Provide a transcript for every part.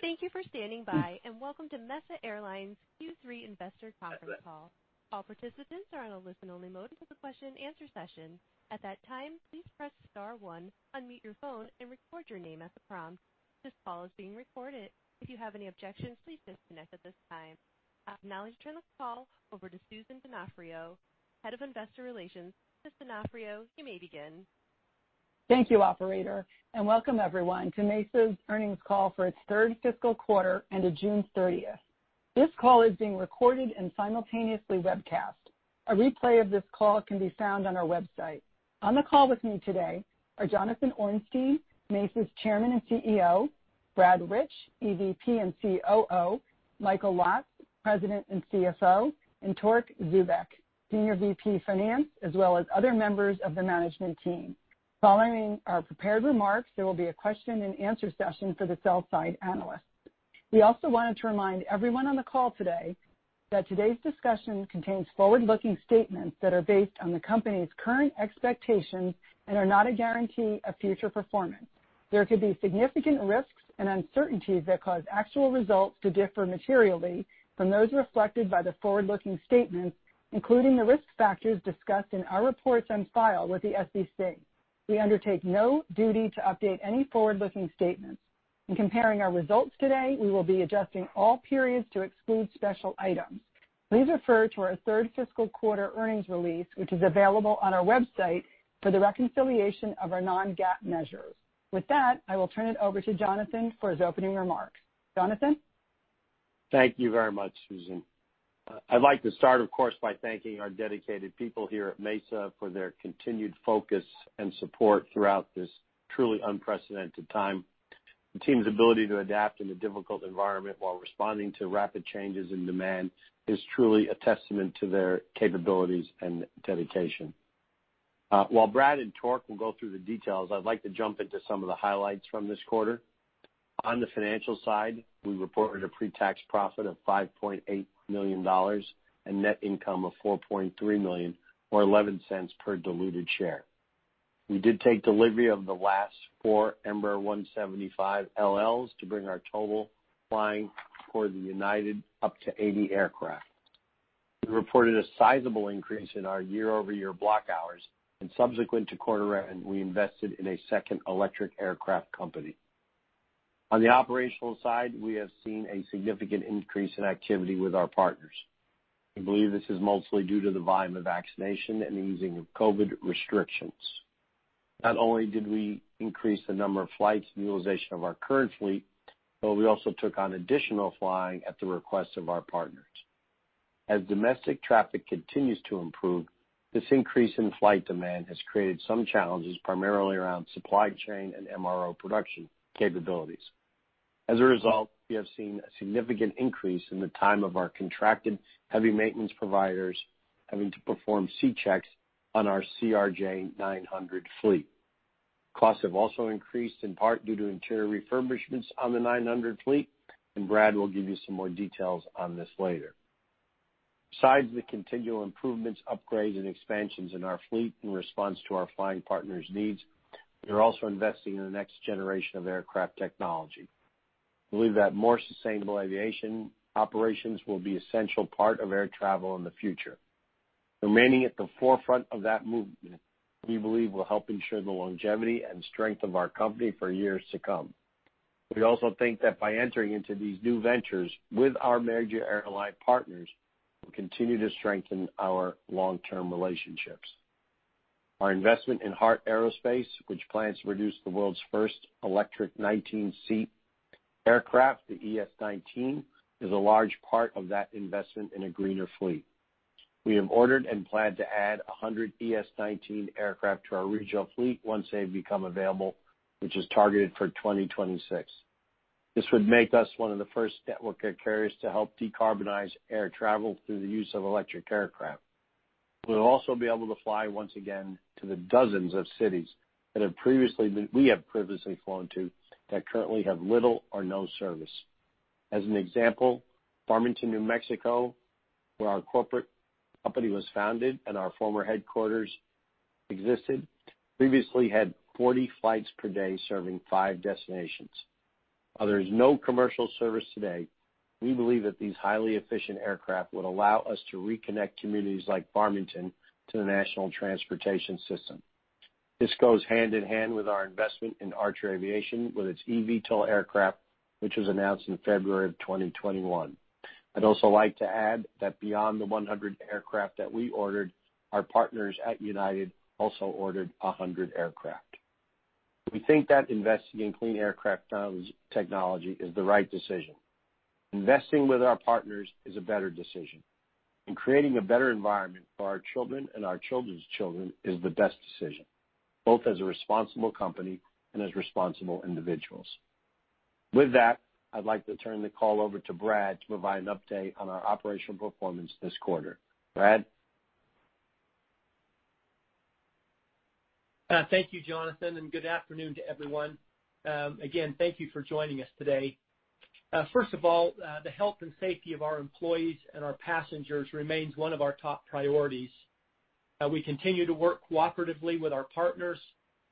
Thank you for standing by, and welcome to Mesa Airlines' Q3 investor conference call. All participants are on a listen-only mode until the question and answer session. This call is being recorded. I'd now like to turn this call over to Susan M. Donofrio, Head of Investor Relations. Ms. Donofrio, you may begin. Thank you, operator, and welcome everyone to Mesa's earnings call for its third fiscal quarter ended June 30th. This call is being recorded and simultaneously webcast. A replay of this call can be found on our website. On the call with me today are Jonathan G. Ornstein, Mesa's Chairman and CEO, Brad Rich, EVP and COO, Michael Lotz, President and CFO, and Torque Zubeck, Senior Vice President of Finance, as well as other members of the management team. Following our prepared remarks, there will be a question and answer session for the sell-side analysts. We also wanted to remind everyone on the call today that today's discussion contains forward-looking statements that are based on the company's current expectations and are not a guarantee of future performance. There could be significant risks and uncertainties that cause actual results to differ materially from those reflected by the forward-looking statements, including the risk factors discussed in our reports on file with the SEC. We undertake no duty to update any forward-looking statements. In comparing our results today, we will be adjusting all periods to exclude special items. Please refer to our third fiscal quarter earnings release, which is available on our website for the reconciliation of our non-GAAP measures. With that, I will turn it over to Jonathan for his opening remarks. Jonathan? Thank you very much, Susan. I'd like to start, of course, by thanking our dedicated people here at Mesa Airlines for their continued focus and support throughout this truly unprecedented time. The team's ability to adapt in a difficult environment while responding to rapid changes in demand is truly a testament to their capabilities and dedication. While Brad and Torque will go through the details, I'd like to jump into some of the highlights from this quarter. On the financial side, we reported a pre-tax profit of $5.8 million and net income of $4.3 million, or $0.11 per diluted share. We did take delivery of the last four Embraer 175 LLs to bring our total flying for the United up to 80 aircraft. We reported a sizable increase in our year-over-year block hours and subsequent to quarter end, we invested in a second electric aircraft company. On the operational side, we have seen a significant increase in activity with our partners. We believe this is mostly due to the volume of vaccination and the easing of COVID restrictions. Not only did we increase the number of flights and utilization of our current fleet, but we also took on additional flying at the request of our partners. As domestic traffic continues to improve, this increase in flight demand has created some challenges, primarily around supply chain and MRO production capabilities. As a result, we have seen a significant increase in the time of our contracted heavy maintenance providers having to perform C checks on our Bombardier CRJ-900 fleet. Costs have also increased in part due to interior refurbishments on the Bombardier CRJ-900 fleet, and Brad will give you some more details on this later. Besides the continual improvements, upgrades, and expansions in our fleet in response to our flying partners' needs, we are also investing in the next generation of aircraft technology. We believe that more sustainable aviation operations will be an essential part of air travel in the future. Remaining at the forefront of that movement, we believe will help ensure the longevity and strength of our company for years to come. We also think that by entering into these new ventures with our major airline partners, we'll continue to strengthen our long-term relationships. Our investment in Heart Aerospace, which plans to produce the world's first electric 19-seat aircraft, the ES-19, is a large part of that investment in a greener fleet. We have ordered and plan to add 100 ES-19 aircraft to our regional fleet once they become available, which is targeted for 2026. This would make us one of the first network carriers to help decarbonize air travel through the use of electric aircraft. We'll also be able to fly once again to the dozens of cities that we have previously flown to that currently have little or no service. As an example, Farmington, New Mexico, where our corporate company was founded and our former headquarters existed, previously had 40 flights per day serving five destinations. While there is no commercial service today, we believe that these highly efficient aircraft would allow us to reconnect communities like Farmington to the national transportation system. This goes hand in hand with our investment in Archer Aviation with its eVTOL aircraft, which was announced in February of 2021. I'd also like to add that beyond the 100 aircraft that we ordered, our partners at United also ordered 100 aircraft. We think that investing in clean aircraft technology is the right decision. Investing with our partners is a better decision. Creating a better environment for our children and our children's children is the best decision, both as a responsible company and as responsible individuals. With that, I'd like to turn the call over to Brad to provide an update on our operational performance this quarter. Brad? Thank you, Jonathan, and good afternoon to everyone. Again, thank you for joining us today. First of all, the health and safety of our employees and our passengers remains one of our top priorities We continue to work cooperatively with our partners,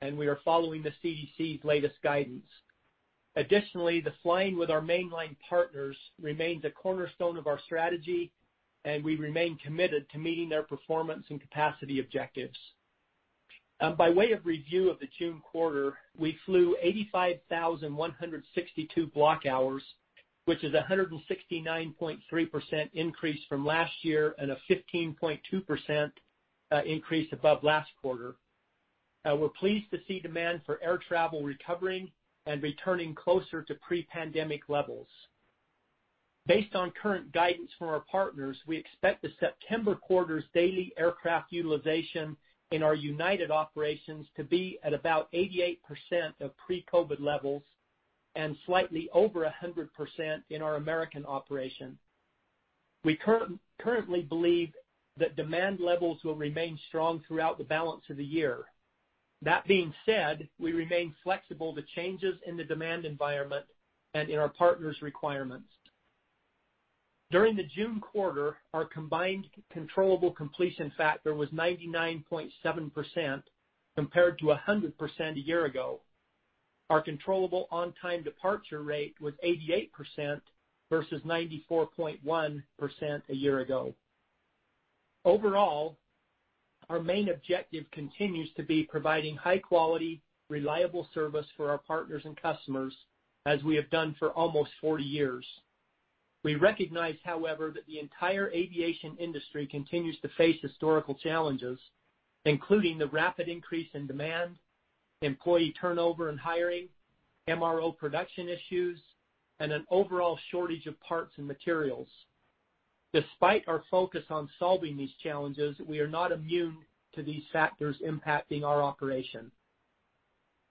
and we are following the CDC's latest guidance. Additionally, the flying with our mainline partners remains a cornerstone of our strategy, and we remain committed to meeting their performance and capacity objectives. By way of review of the June quarter, we flew 85,162 block hours, which is 169.3% increase from last year and a 15.2% increase above last quarter. We're pleased to see demand for air travel recovering and returning closer to pre-pandemic levels. Based on current guidance from our partners, we expect the September quarter's daily aircraft utilization in our United operations to be at about 88% of pre-COVID levels, and slightly over 100% in our American operation. We currently believe that demand levels will remain strong throughout the balance of the year. That being said, we remain flexible to changes in the demand environment and in our partners' requirements. During the June quarter, our combined controllable completion factor was 99.7%, compared to 100% a year ago. Our controllable on-time departure rate was 88% versus 94.1% a year ago. Overall, our main objective continues to be providing high-quality, reliable service for our partners and customers, as we have done for almost 40 years. We recognize, however, that the entire aviation industry continues to face historical challenges, including the rapid increase in demand, employee turnover and hiring, MRO production issues, and an overall shortage of parts and materials. Despite our focus on solving these challenges, we are not immune to these factors impacting our operation.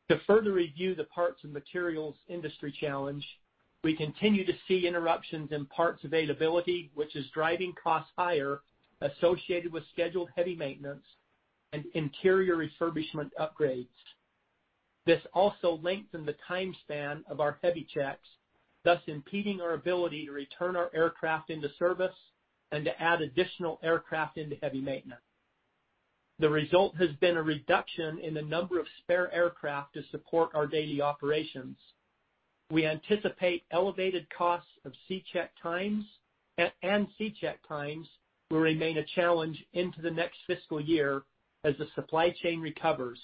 To further review the parts and materials industry challenge, we continue to see interruptions in parts availability, which is driving costs higher associated with scheduled heavy maintenance and interior refurbishment upgrades. This also lengthen the time span of our heavy checks, thus impeding our ability to return our aircraft into service and to add additional aircraft into heavy maintenance. The result has been a reduction in the number of spare aircraft to support our daily operations. We anticipate elevated costs and C-check times will remain a challenge into the next fiscal year as the supply chain recovers.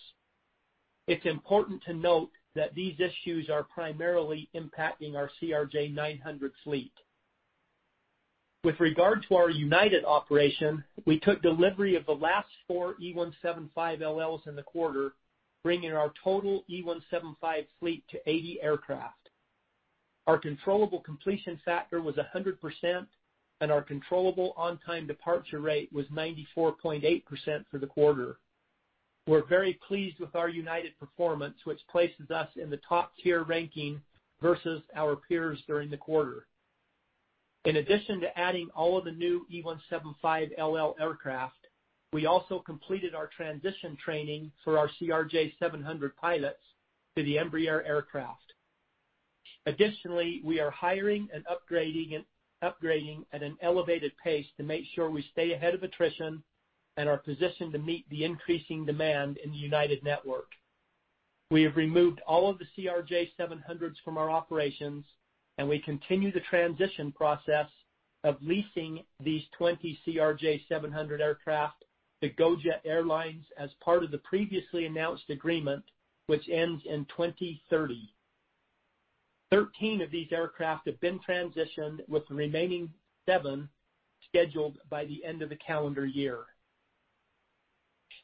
It's important to note that these issues are primarily impacting our Bombardier CRJ-900 fleet. With regard to our United operation, we took delivery of the last four Embraer 175 LL in the quarter, bringing our total Embraer 175 LL fleet to 80 aircraft. Our controllable completion factor was 100%, and our controllable on-time departure rate was 94.8% for the quarter. We're very pleased with our United performance, which places us in the top-tier ranking versus our peers during the quarter. In addition to adding all of the new Embraer 175 LL aircraft, we also completed our transition training for our Bombardier CRJ-900 pilots to the Embraer aircraft. We are hiring and upgrading at an elevated pace to make sure we stay ahead of attrition and are positioned to meet the increasing demand in the United network. We have removed all of the Bombardier CRJ-900s from our operations, and we continue the transition process of leasing these 20 Bombardier CRJ-900 aircraft to GoJet Airlines as part of the previously announced agreement, which ends in 2030. 13 of these aircraft have been transitioned, with the remaining seven scheduled by the end of the calendar year.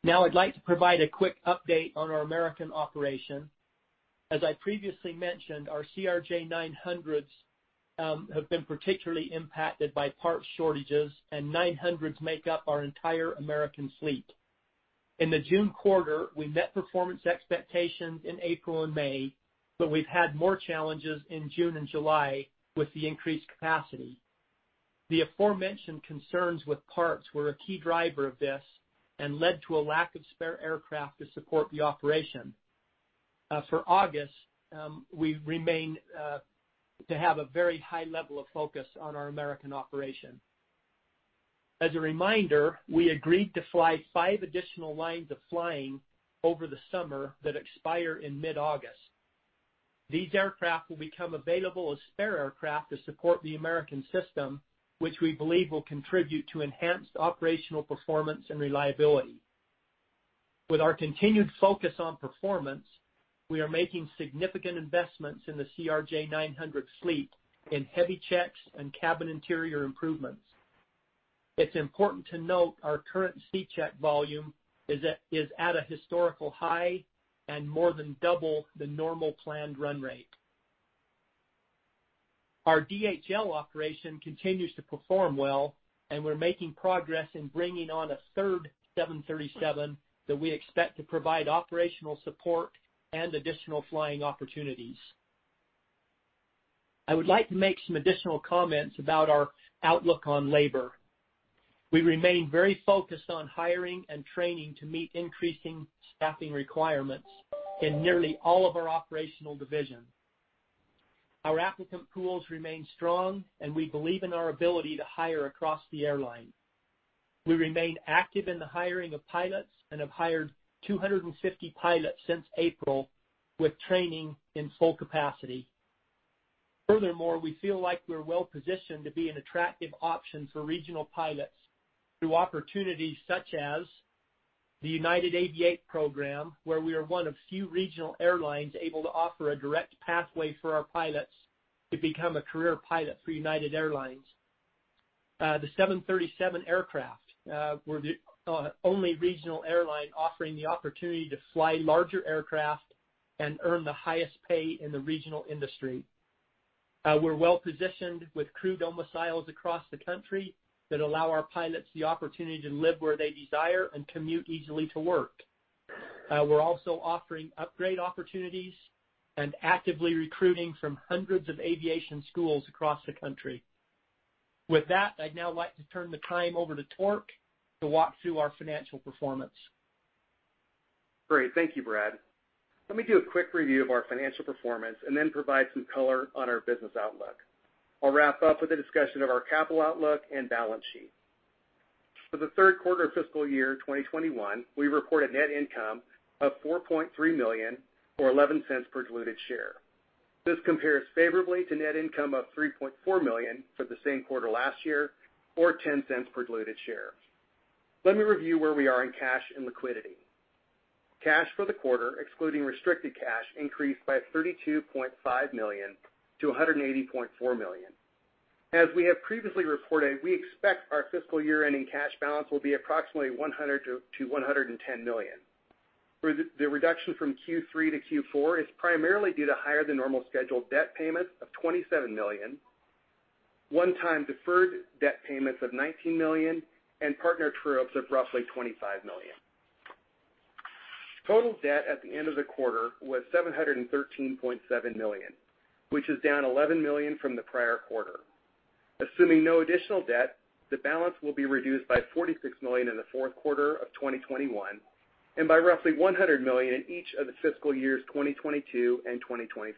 I'd like to provide a quick update on our American operation. As I previously mentioned, our Bombardier CRJ-900 have been particularly impacted by parts shortages, and 900s make up our entire American fleet. In the June quarter, we met performance expectations in April and May, but we've had more challenges in June and July with the increased capacity. The aforementioned concerns with parts were a key driver of this and led to a lack of spare aircraft to support the operation. For August, we remain to have a very high level of focus on our American operation. As a reminder, we agreed to fly five additional lines of flying over the summer that expire in mid-August. These aircraft will become available as spare aircraft to support the American system, which we believe will contribute to enhanced operational performance and reliability. With our continued focus on performance, we are making significant investments in the Bombardier CRJ-900 fleet in heavy checks and cabin interior improvements. It's important to note our current C-check volume is at a historical high and more than double the normal planned run rate. Our DHL operation continues to perform well, and we're making progress in bringing on a third Boeing 737 that we expect to provide operational support and additional flying opportunities. I would like to make some additional comments about our outlook on labor. We remain very focused on hiring and training to meet increasing staffing requirements in nearly all of our operational divisions. Our applicant pools remain strong, and we believe in our ability to hire across the airline. We remain active in the hiring of pilots and have hired 250 pilots since April, with training in full capacity. Furthermore, we feel like we're well-positioned to be an attractive option for regional pilots through opportunities such as the United Aviate program, where we are one of few regional airlines able to offer a direct pathway for our pilots to become a career pilot for United Airlines. The Boeing 737 aircraft. We're the only regional airline offering the opportunity to fly larger aircraft and earn the highest pay in the regional industry. We're well-positioned with crew domiciles across the country that allow our pilots the opportunity to live where they desire and commute easily to work. We're also offering upgrade opportunities and actively recruiting from hundreds of aviation schools across the country. With that, I'd now like to turn the time over to Torque to walk through our financial performance. Great. Thank you, Brad. Let me do a quick review of our financial performance and then provide some color on our business outlook. I'll wrap up with a discussion of our capital outlook and balance sheet. For the third quarter of fiscal year 2021, we report a net income of $4.3 million, or $0.11 per diluted share. This compares favorably to net income of $3.4 million for the same quarter last year, or $0.10 per diluted share. Let me review where we are in cash and liquidity. Cash for the quarter, excluding restricted cash, increased by $32.5 million-$180.4 million. As we have previously reported, we expect our fiscal year-ending cash balance will be approximately $100 million-$110 million, where the reduction from Q3 to Q4 is primarily due to higher than normal scheduled debt payments of $27 million, one-time deferred debt payments of $19 million, and partner true-ups of roughly $25 million. Total debt at the end of the quarter was $713.7 million, which is down $11 million from the prior quarter. Assuming no additional debt, the balance will be reduced by $46 million in the fourth quarter of 2021 and by roughly $100 million in each of the fiscal years 2022 and 2023.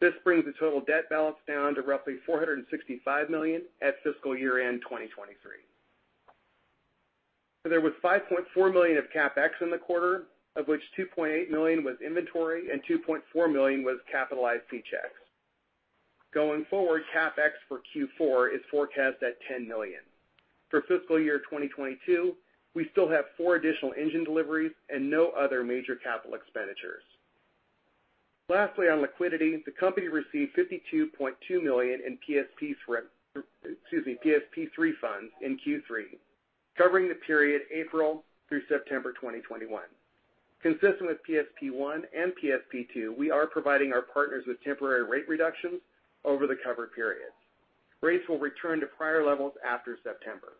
This brings the total debt balance down to roughly $465 million at fiscal year-end 2023. There was $5.4 million of CapEx in the quarter, of which $2.8 million was inventory and $2.4 million was capitalized C-checks. Going forward, CapEx for Q4 is forecast at $10 million. For fiscal year 2022, we still have four additional engine deliveries and no other major capital expenditures. Lastly, on liquidity, the company received $52.2 million in PSP3 funds in Q3, covering the period April through September 2021. Consistent with PSP1 and PSP2, we are providing our partners with temporary rate reductions over the covered periods. Rates will return to prior levels after September.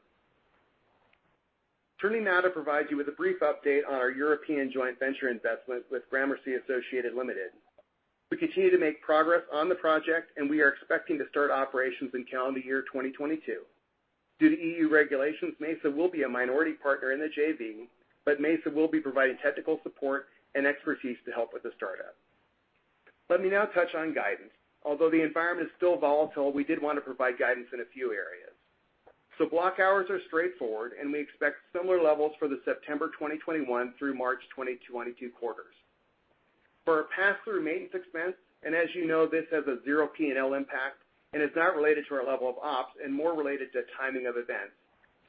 Turning now to provide you with a brief update on our European joint venture investment with Gramercy Associates Ltd.. We continue to make progress on the project, and we are expecting to start operations in calendar year 2022. Due to EU regulations, Mesa will be a minority partner in the JV, but Mesa will be providing technical support and expertise to help with the startup. Let me now touch on guidance. Although the environment is still volatile, we did want to provide guidance in a few areas. Block hours are straightforward, and we expect similar levels for the September 2021 through March 2022 quarters. For our pass-through maintenance expense, as you know, this has a zero P&L impact and is not related to our level of ops and more related to timing of events.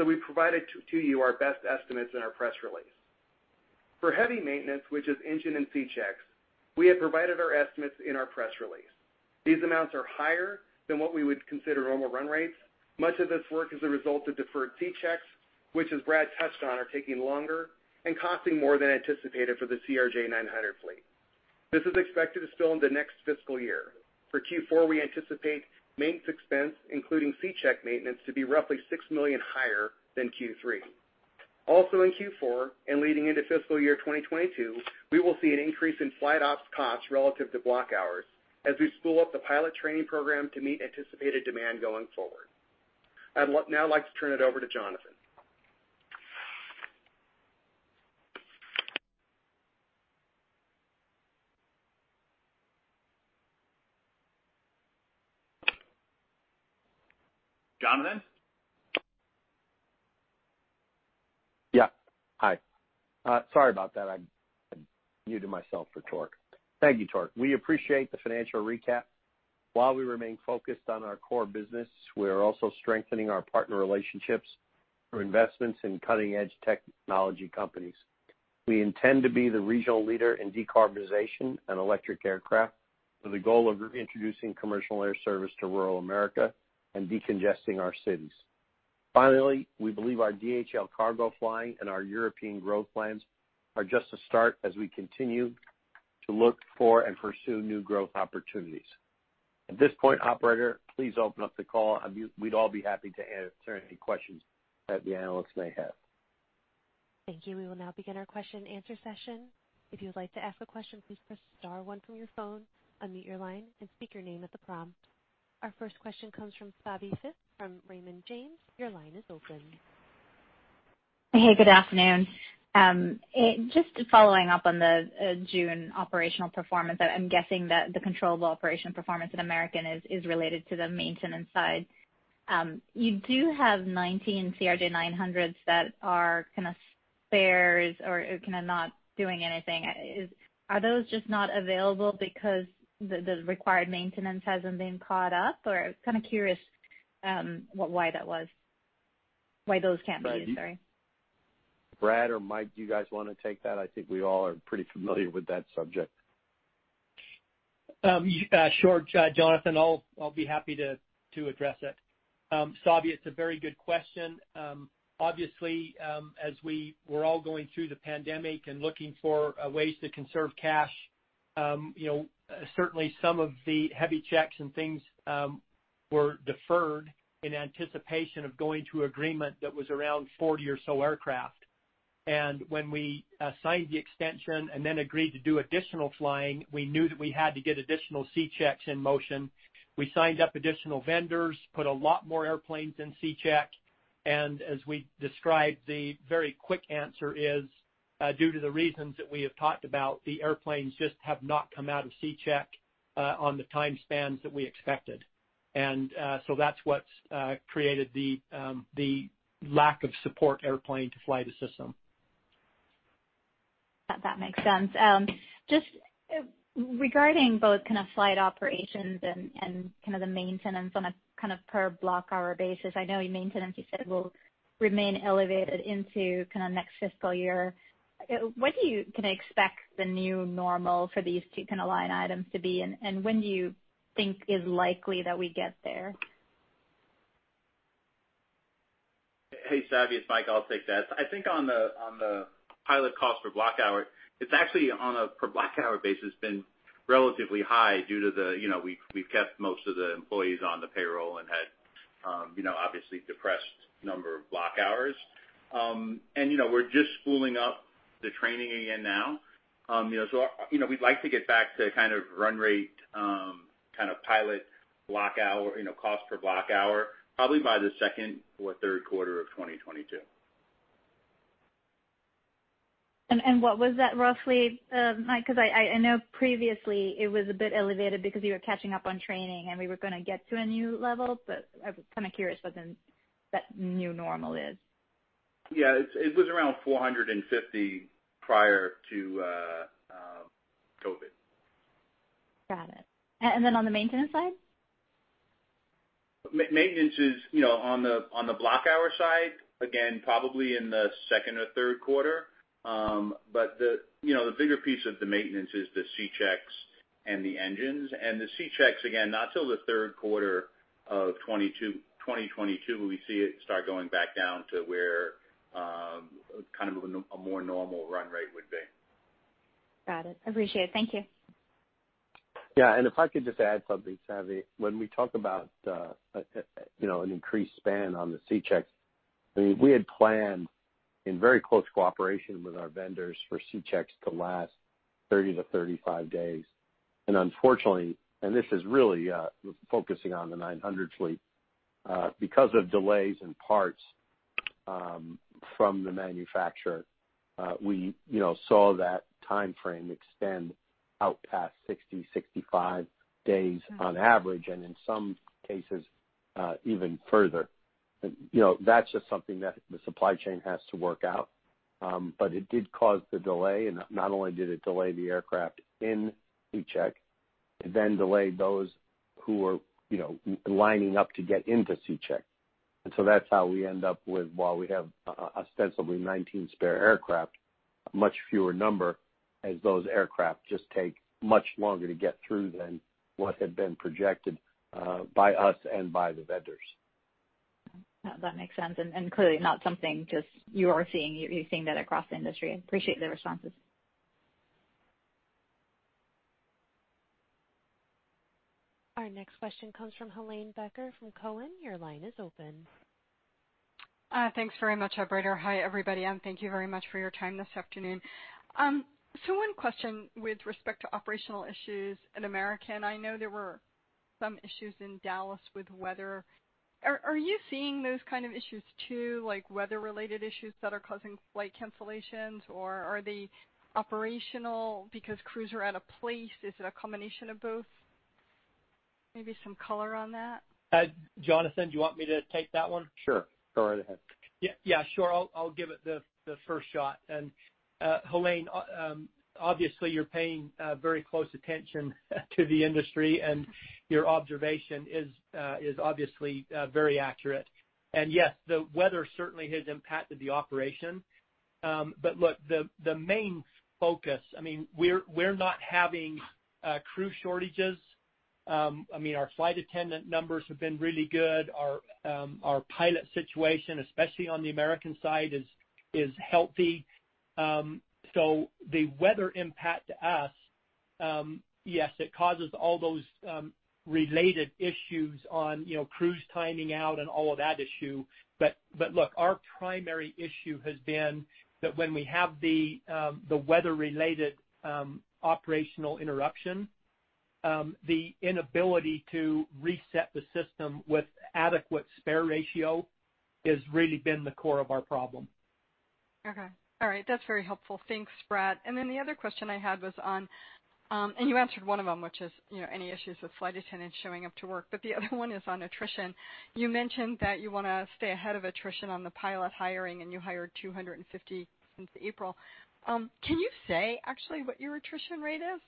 We provided to you our best estimates in our press release. For heavy maintenance, which is engine and C-checks, we have provided our estimates in our press release. These amounts are higher than what we would consider normal run rates. Much of this work is a result of deferred C-checks, which, as Brad touched on, are taking longer and costing more than anticipated for the Bombardier CRJ-900 fleet. This is expected to spill into next fiscal year. For Q4, we anticipate maintenance expense, including C-check maintenance, to be roughly $6 million higher than Q3. Also in Q4 and leading into fiscal year 2022, we will see an increase in flight ops costs relative to block hours as we spool up the pilot training program to meet anticipated demand going forward. I'd now like to turn it over to Jonathan. Jonathan? Yeah. Hi. Sorry about that. I muted myself for Torque. Thank you, Torque. We appreciate the financial recap. While we remain focused on our core business, we are also strengthening our partner relationships through investments in cutting-edge technology companies. We intend to be the regional leader in decarbonization and electric aircraft with the goal of introducing commercial air service to rural America and decongesting our cities. Finally, we believe our DHL cargo flying and our European growth plans are just a start as we continue to look for and pursue new growth opportunities. At this point, operator, please open up the call. We'd all be happy to answer any questions that the analysts may have. Thank you. We will now begin our question and answer session. If you would like to ask a question, please press star one from your phone, unmute your line, and speak your name at the prompt. Our first question comes from Savanthi Syth from Raymond James. Your line is open. Hey, good afternoon. Just following up on the June operational performance, I'm guessing that the controllable operation performance at American is related to the maintenance side. You do have 19 Bombardier CRJ-900 that are kind of spares or kind of not doing anything. Are those just not available because the required maintenance hasn't been caught up? Kind of curious why that was, why those can't be used. Sorry. Brad or Michael, do you guys want to take that? I think we all are pretty familiar with that subject. Sure. Jonathan, I'll be happy to address it. Savanthi, it's a very good question. Obviously, as we were all going through the pandemic and looking for ways to conserve cash, certainly some of the heavy checks and things were deferred in anticipation of going to agreement that was around 40 or so aircraft. When we signed the extension and then agreed to do additional flying, we knew that we had to get additional C checks in motion. We signed up additional vendors, put a lot more airplanes in C check, and as we described, the very quick answer is, due to the reasons that we have talked about, the airplanes just have not come out of C check on the time spans that we expected. That's what's created the lack of support airplane to fly the system. That makes sense. Just regarding both kind of flight operations and kind of the maintenance on a kind of per block hour basis, I know in maintenance you said it will remain elevated into kind of next fiscal year. What do you kind of expect the new normal for these two kind of line items to be, and when do you think is likely that we get there? Hey, Savanthi, it's Michael. I'll take that. I think on the pilot cost per block hour, it's actually on a per block hour basis, been relatively high due to we've kept most of the employees on the payroll and had obviously depressed number of block hours. We're just spooling up the training again now. We'd like to get back to kind of run rate, kind of pilot cost per block hour, probably by the second or third quarter of 2022. What was that roughly, Michael, because I know previously it was a bit elevated because you were catching up on training, and we were going to get to a new level, but I was kind of curious what then that new normal is? Yeah. It was around 450 prior to COVID. Got it. On the maintenance side? Maintenance is on the block hour side, again, probably in the second or third quarter. The bigger piece of the maintenance is the C checks and the engines, and the C checks, again, not till the third quarter of 2022, will we see it start going back down to where, kind of a more normal run rate would be. Got it. Appreciate it. Thank you. If I could just add something, Savanthi. When we talk about an increased span on the C checks, we had planned in very close cooperation with our vendors for C checks to last 30-35 days. Unfortunately, and this is really focusing on the Bombardier CRJ-900 fleet, because of delays in parts from the manufacturer, we saw that timeframe extend out past 60-65 days on average, and in some cases, even further. That's just something that the supply chain has to work out. It did cause the delay, and not only did it delay the aircraft in C check, it then delayed those who were lining up to get into C check. That's how we end up with, while we have ostensibly 19 spare aircraft, a much fewer number as those aircraft just take much longer to get through than what had been projected by us and by the vendors. That makes sense, and clearly not something just you are seeing. You're seeing that across the industry. I appreciate the responses. Our next question comes from Helane Becker from Cowen. Your line is open. Thanks very much, operator. Hi, everybody, and thank you very much for your time this afternoon. One question with respect to operational issues at American. I know there were some issues in Dallas with weather. Are you seeing those kind of issues too, like weather-related issues that are causing flight cancellations, or are they operational because crews are out of place? Is it a combination of both? Maybe some color on that. Jonathan, do you want me to take that one? Sure. Go right ahead. Sure. I'll give it the first shot. Helane, obviously you're paying very close attention to the industry, and your observation is obviously very accurate. Yes, the weather certainly has impacted the operation. Look, the main focus, we're not having crew shortages. Our flight attendant numbers have been really good. Our pilot situation, especially on the American side, is healthy. The weather impact to us, yes, it causes all those related issues on crews timing out and all of that issue. Look, our primary issue has been that when we have the weather-related operational interruption The inability to reset the system with adequate spare ratio has really been the core of our problem. Okay. All right. That's very helpful. Thanks, Brad. The other question I had was on, and you answered one of them, which is, any issues with flight attendants showing up to work, but the other one is on attrition. You mentioned that you want to stay ahead of attrition on the pilot hiring, and you hired 250 since April. Can you say actually what your attrition rate is?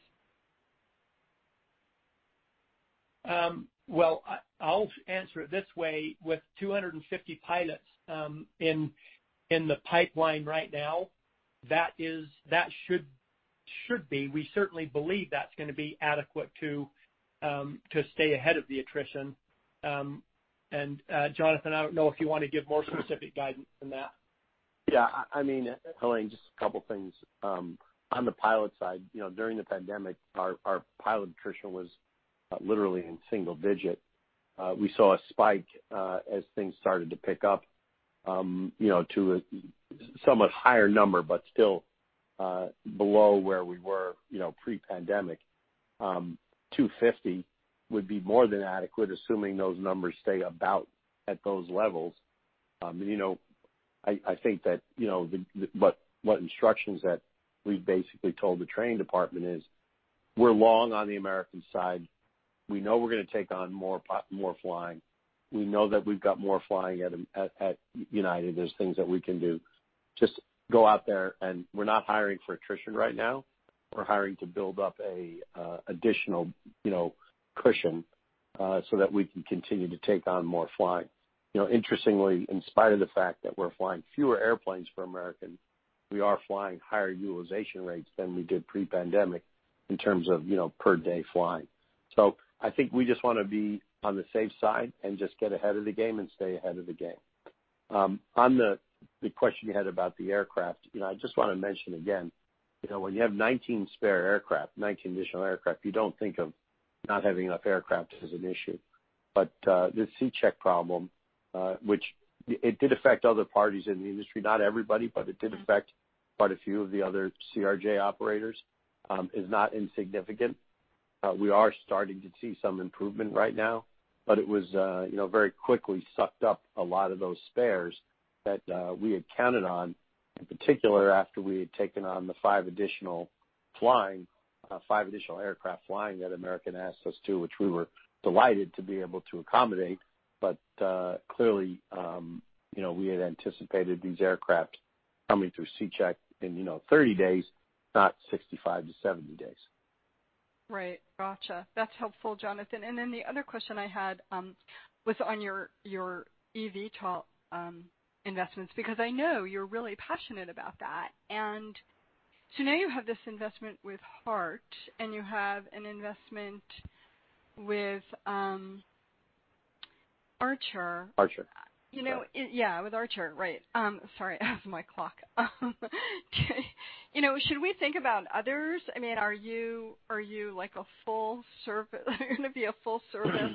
Well, I'll answer it this way. With 250 pilots in the pipeline right now, we certainly believe that's going to be adequate to stay ahead of the attrition. Jonathan, I don't know if you want to give more specific guidance than that. Yeah. Helane, just a couple things. On the pilot side, during the pandemic, our pilot attrition was literally in single digit. We saw a spike as things started to pick up, to a somewhat higher number, but still below where we were pre-pandemic. 250 would be more than adequate, assuming those numbers stay about at those levels. I think that what instructions that we basically told the training department is, we're long on the American side. We know we're going to take on more flying. We know that we've got more flying at United Airlines. There's things that we can do. Just go out there and we're not hiring for attrition right now. We're hiring to build up additional cushion, so that we can continue to take on more flying. Interestingly, in spite of the fact that we're flying fewer airplanes for American, we are flying higher utilization rates than we did pre-pandemic in terms of per-day flying. I think we just want to be on the safe side and just get ahead of the game and stay ahead of the game. On the question you had about the aircraft, I just want to mention again, when you have 19 spare aircraft, 19 additional aircraft, you don't think of not having enough aircraft as an issue. This C check problem, which it did affect other parties in the industry, not everybody, but it did affect quite a few of the other Bombardier CRJ-900 operators, is not insignificant. We are starting to see some improvement right now. It very quickly sucked up a lot of those spares that we had counted on, in particular after we had taken on the five additional flying, five additional aircraft flying that American asked us to, which we were delighted to be able to accommodate. Clearly, we had anticipated these aircraft coming through C check in 30 days, not 65-70 days. Right. Gotcha. That's helpful, Jonathan. The other question I had was on your eVTOL investments, because I know you're really passionate about that. Now you have this investment with Heart, and you have an investment with Archer. Archer. Yeah. With Archer, right. Sorry, I have my clock. Should we think about others? Are you going to be a full service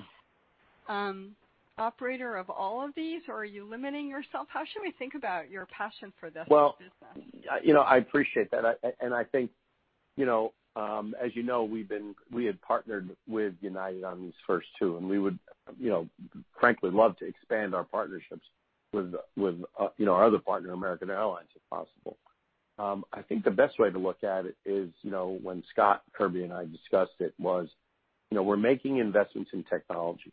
operator of all of these, or are you limiting yourself? How should we think about your passion for this business? Well, I appreciate that, and I think, as you know, we had partnered with United on these first two, and we would frankly love to expand our partnerships with our other partner, American Airlines, if possible. I think the best way to look at it is when Scott Kirby and I discussed it was, we're making investments in technology.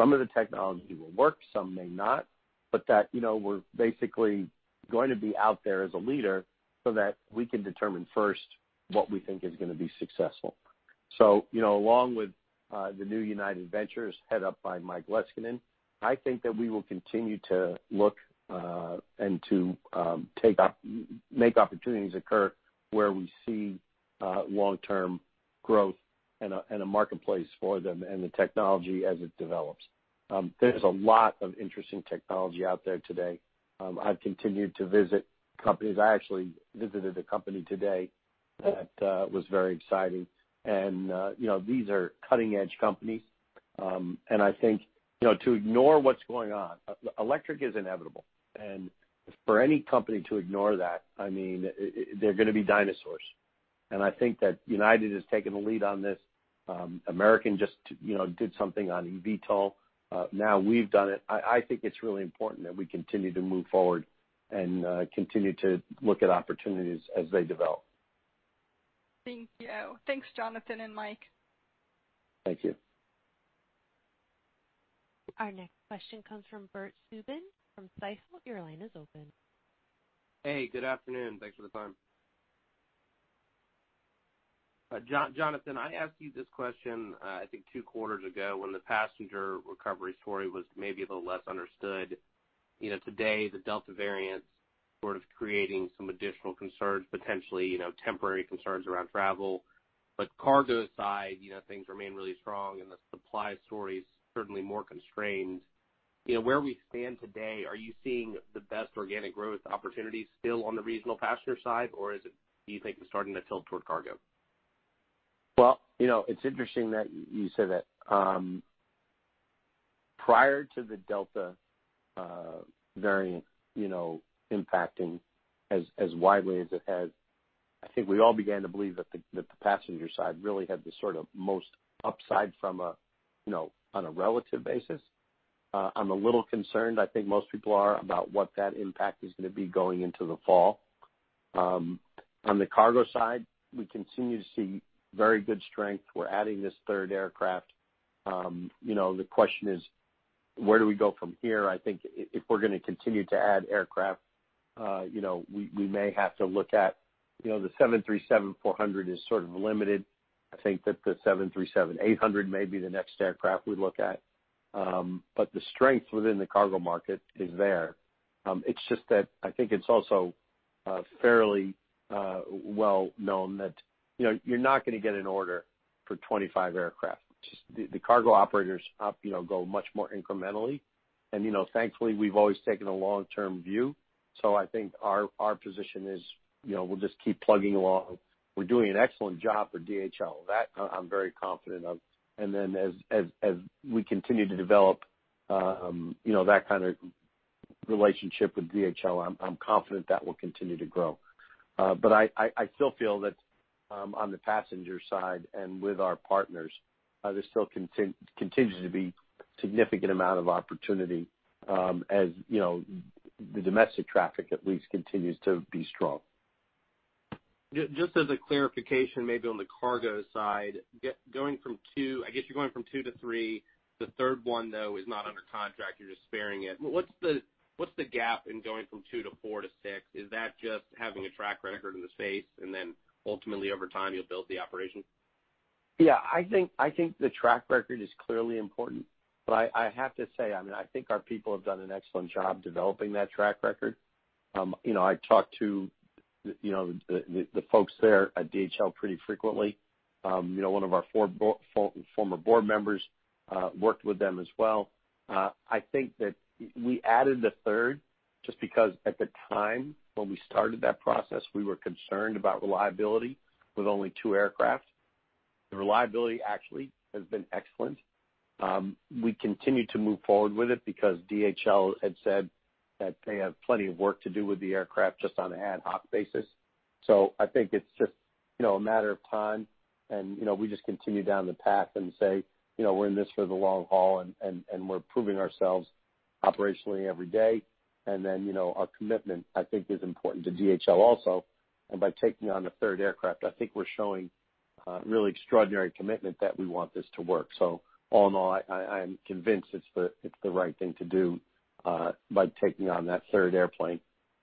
Some of the technology will work, some may not, but that we're basically going to be out there as a leader so that we can determine first what we think is going to be successful. Along with the new United Ventures head up by Michael Leskinen, I think that we will continue to look, and to make opportunities occur where we see long-term growth and a marketplace for them and the technology as it develops. There's a lot of interesting technology out there today. I've continued to visit companies. I actually visited a company today that was very exciting. These are cutting-edge companies. I think to ignore what's going on. Electric is inevitable, and for any company to ignore that, they're going to be dinosaurs. I think that United has taken the lead on this. American just did something on eVTOL. Now we've done it. I think it's really important that we continue to move forward and continue to look at opportunities as they develop. Thank you. Thanks, Jonathan and Mike. Thank you. Our next question comes from Bert Subin from Stifel. Hey, good afternoon. Thanks for the time. Jonathan, I asked you this question I think two quarters ago, when the passenger recovery story was maybe a little less understood. Today, the Delta variant sort of creating some additional concerns, potentially temporary concerns around travel. Cargo aside, things remain really strong and the supply story's certainly more constrained. Where we stand today, are you seeing the best organic growth opportunities still on the regional passenger side, or do you think it's starting to tilt toward cargo? Well, it's interesting that you say that. Prior to the Delta variant impacting as widely as it has, I think we all began to believe that the passenger side really had the most upside from a relative basis. I'm a little concerned, I think most people are, about what that impact is going to be going into the fall. On the cargo side, we continue to see very good strength. We're adding this third aircraft. The question is, where do we go from here? I think if we're going to continue to add aircraft, we may have to look at the Boeing 737-400 is sort of limited. I think that the Boeing 737-800 may be the next aircraft we look at. The strength within the cargo market is there. It's just that I think it's also fairly well-known that you're not going to get an order for 25 aircraft. The cargo operators go much more incrementally. Thankfully, we've always taken a long-term view. I think our position is we'll just keep plugging along. We're doing an excellent job for DHL. That I'm very confident of. As we continue to develop that kind of relationship with DHL, I'm confident that will continue to grow. I still feel that on the passenger side and with our partners, there still continues to be significant amount of opportunity as the domestic traffic, at least, continues to be strong. Just as a clarification, maybe on the cargo side, I guess you're going from two to three. The third one, though, is not under contract, you're just sparing it. What's the gap in going from two to four to six? Is that just having a track record in the space and then ultimately, over time, you'll build the operation? Yeah. I think the track record is clearly important, but I have to say, I think our people have done an excellent job developing that track record. I talk to the folks there at DHL pretty frequently. One of our former board members worked with them as well. I think that we added a third just because at the time when we started that process, we were concerned about reliability with only two aircraft. The reliability actually has been excellent. We continue to move forward with it because DHL had said that they have plenty of work to do with the aircraft just on an ad hoc basis. I think it's just a matter of time and we just continue down the path and say, we're in this for the long haul, and we're proving ourselves operationally every day. Our commitment, I think, is important to DHL also. By taking on a third aircraft, I think we're showing really extraordinary commitment that we want this to work. All in all, I am convinced it's the right thing to do by taking on that third airplane.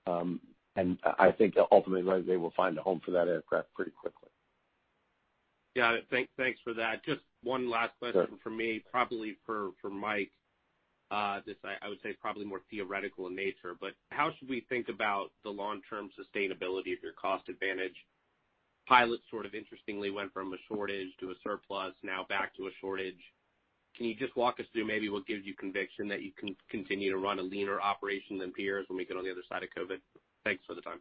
I think that ultimately they will find a home for that aircraft pretty quickly. Got it. Thanks for that. Just one last question. Sure from me, probably for Michael. How should we think about the long-term sustainability of your cost advantage? Pilots sort of interestingly went from a shortage to a surplus, now back to a shortage. Can you just walk us through maybe what gives you conviction that you can continue to run a leaner operation than peers when we get on the other side of COVID? Thanks for the time.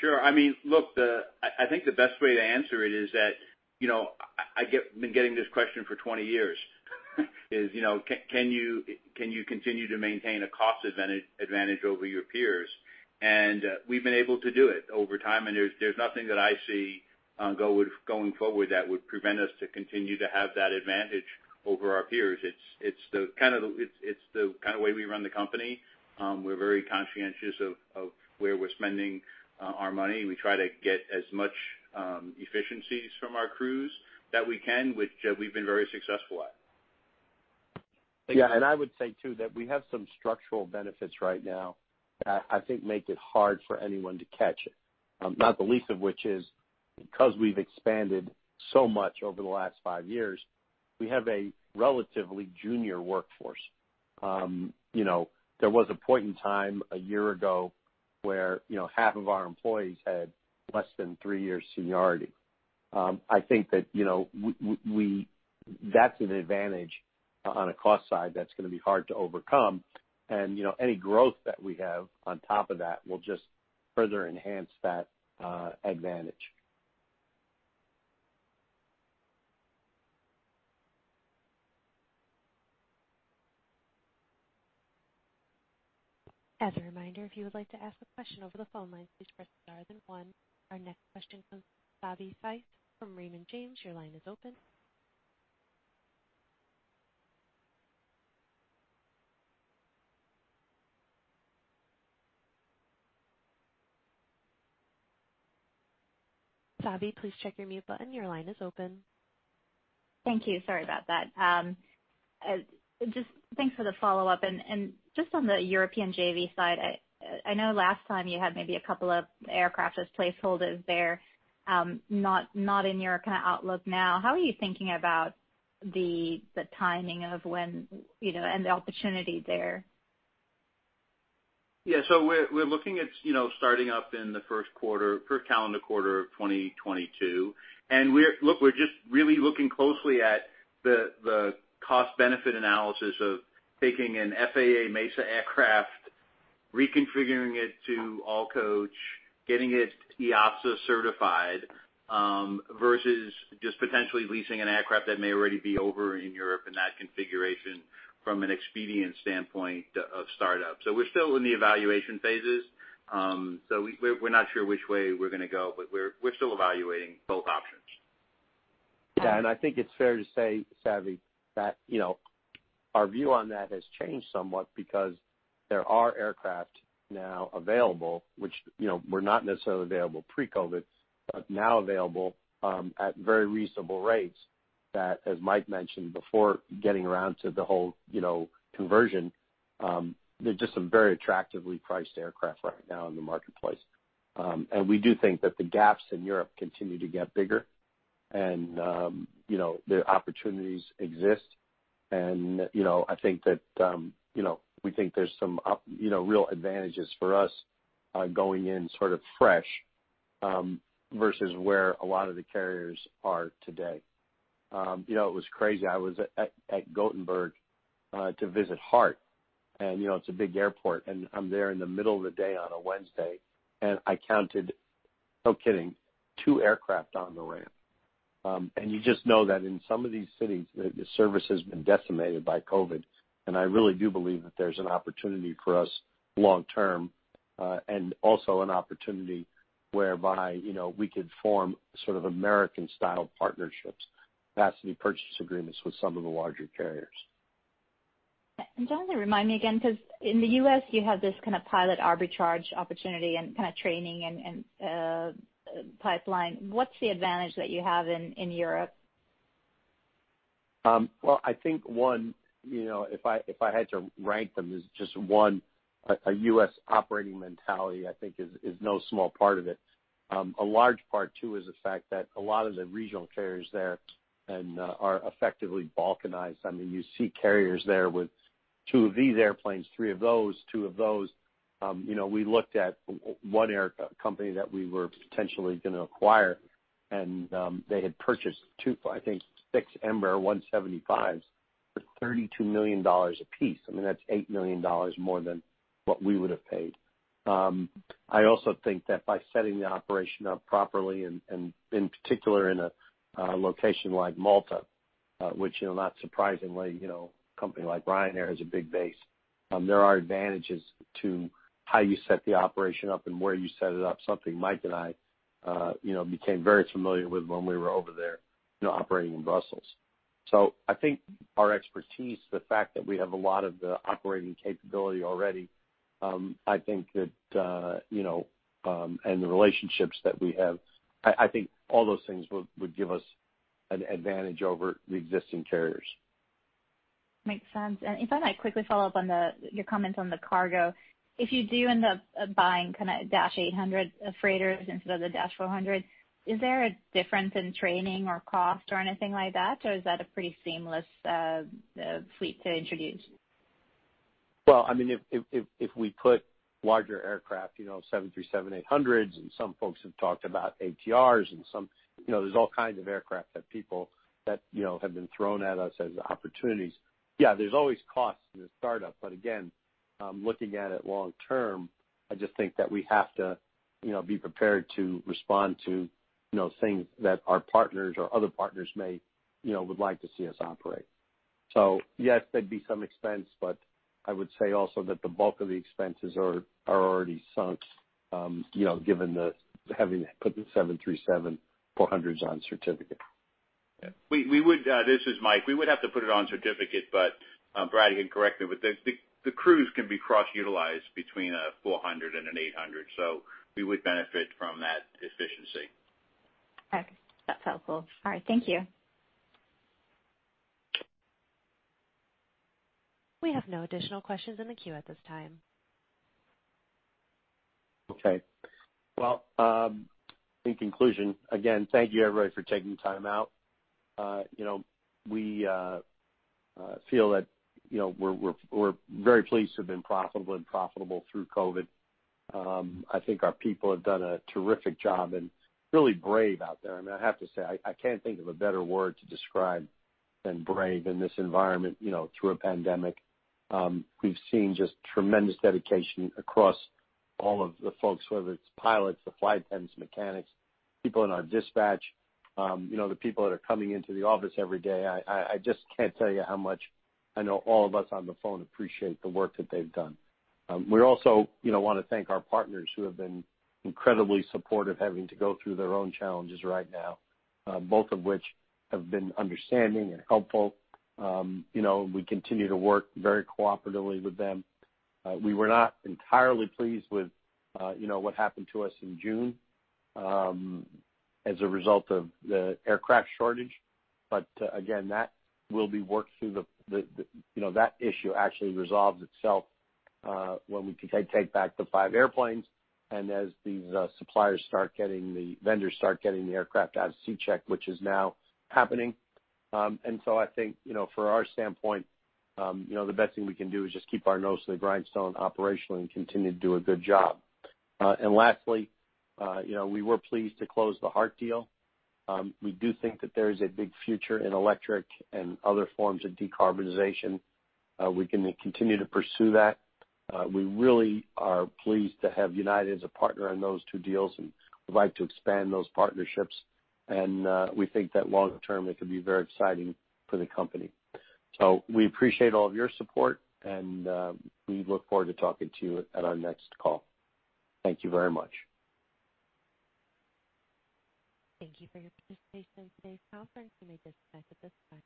Sure. I think the best way to answer it is that I've been getting this question for 20 years. Can you continue to maintain a cost advantage over your peers? We've been able to do it over time, and there's nothing that I see going forward that would prevent us to continue to have that advantage over our peers. It's the kind of way we run the company. We're very conscientious of where we're spending our money. We try to get as much efficiencies from our crews that we can, which we've been very successful at. I would say, too, that we have some structural benefits right now that I think make it hard for anyone to catch it. Not the least of which is because we've expanded so much over the last five years, we have a relatively junior workforce. There was a point in time a year ago where half of our employees had less than three years seniority. I think that's an advantage on a cost side that's going to be hard to overcome. Any growth that we have on top of that will just further enhance that advantage. Our next question comes from Savanthi Syth from Raymond James. Savanthi, please check your mute button. Thank you. Sorry about that. Just thanks for the follow-up. Just on the European JV side, I know last time you had maybe a couple of aircraft as placeholders there, not in your kind of outlook now. How are you thinking about the timing of when and the opportunity there? Yeah. We're looking at starting up in the first calendar quarter of 2022. Look, we're just really looking closely at the cost-benefit analysis of taking an FAA Mesa aircraft, reconfiguring it to All Coach, getting it EASA certified, versus just potentially leasing an aircraft that may already be over in Europe in that configuration from an expedient standpoint of startup. We're still in the evaluation phases. We're not sure which way we're going to go, but we're still evaluating both options. I think it's fair to say, Savanthi, that our view on that has changed somewhat because there are aircraft now available, which were not necessarily available pre-COVID, but now available at very reasonable rates that, as Michael mentioned before, getting around to the whole conversion, there are just some very attractively priced aircraft right now in the marketplace. We do think that the gaps in Europe continue to get bigger and the opportunities exist and we think there's some real advantages for us going in sort of fresh, versus where a lot of the carriers are today. It was crazy. I was at Gothenburg to visit Heart, and it's a big airport, and I'm there in the middle of the day on a Wednesday, and I counted, no kidding, two aircraft on the ramp. You just know that in some of these cities, the service has been decimated by COVID, and I really do believe that there's an opportunity for us long-term. Also an opportunity whereby we could form sort of American-style partnerships, capacity purchase agreements with some of the larger carriers. Jonathan, remind me again, because in the U.S. you have this kind of pilot arbitrage opportunity and kind of training and pipeline. What's the advantage that you have in Europe? Well, I think one, if I had to rank them as just one, a U.S. operating mentality, I think, is no small part of it. A large part, too, is the fact that a lot of the regional carriers there are effectively balkanized. I mean, you see carriers there with two of these airplanes, three of those, two of those. We looked at one company that we were potentially going to acquire, and they had purchased six Embraer 175 LL for $32 million apiece. I mean, that's $8 million more than what we would have paid. I also think that by setting the operation up properly and in particular in a location like Malta, which, not surprisingly, a company like Ryanair has a big base, there are advantages to how you set the operation up and where you set it up, something Michael and I became very familiar with when we were over there operating in Brussels. I think our expertise, the fact that we have a lot of the operating capability already, and the relationships that we have, I think all those things would give us an advantage over the existing carriers. Makes sense. If I might quickly follow up on your comments on the cargo. If you do end up buying kind of Dash 800 freighters instead of the Dash 400, is there a difference in training or cost or anything like that, or is that a pretty seamless fleet to introduce? If we put larger aircraft, Boeing 737-800s, and some folks have talked about ATRs and there's all kinds of aircraft that have been thrown at us as opportunities. There's always costs in a startup. Again, looking at it long-term, I just think that we have to be prepared to respond to things that our partners or other partners would like to see us operate. Yes, there'd be some expense, but I would say also that the bulk of the expenses are already sunk, given having put the Boeing 737-400s on certificate. This is Michael. We would have to put it on certificate, but Brad can correct it, but the crews can be cross-utilized between a Boeing 737-400 and a Boeing 737-800, so we would benefit from that efficiency. Okay, that's helpful. All right, thank you. We have no additional questions in the queue at this time. Okay. Well, in conclusion, again, thank you, everybody, for taking time out. We feel that we're very pleased to have been profitable and profitable through COVID. I think our people have done a terrific job and really brave out there. I mean, I have to say, I can't think of a better word to describe than brave in this environment, through a pandemic. We've seen just tremendous dedication across all of the folks, whether it's pilots, the flight attendants, mechanics, people in our dispatch, the people that are coming into the office every day. I just can't tell you how much I know all of us on the phone appreciate the work that they've done. We also want to thank our partners who have been incredibly supportive, having to go through their own challenges right now, both of which have been understanding and helpful. We continue to work very cooperatively with them. We were not entirely pleased with what happened to us in June as a result of the aircraft shortage. That issue actually resolves itself when we take back the five airplanes and as these vendors start getting the aircraft out of C check, which is now happening. I think for our standpoint, the best thing we can do is just keep our nose to the grindstone operationally and continue to do a good job. Lastly, we were pleased to close the Heart deal. We do think that there is a big future in electric and other forms of decarbonization. We're going to continue to pursue that. We really are pleased to have United as a partner on those two deals and would like to expand those partnerships. We think that long-term, it could be very exciting for the company. We appreciate all of your support, and we look forward to talking to you at our next call. Thank you very much. Thank you for your participation in today's conference. You may disconnect at this time.